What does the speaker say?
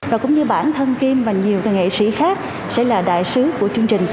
và cũng như bản thân kim và nhiều nghệ sĩ khác sẽ là đại sứ của chương trình